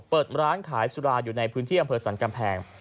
เปิดร้านขายสุราอยู่ในพื้นที่อำเภอสรรกำแพง